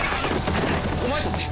お前たち！